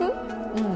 うん。